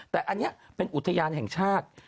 แต่อันนี้เป็นอุทยานแห่งชาติ